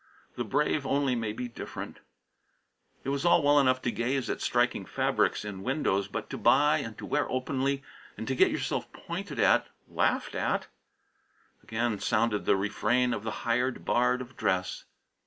The brave only may be "different." It was all well enough to gaze at striking fabrics in windows; but to buy and to wear openly, and get yourself pointed at laughed at! Again sounded the refrain of the hired bard of dress.